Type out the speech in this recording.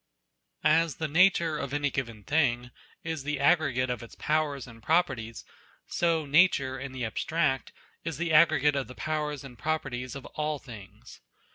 As the nature of any given thing is the aggregate of its powers and properties, so Nature in the abstract is the aggregate of the powers and properties of all things.